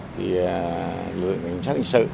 thì lực lượng trách hình sự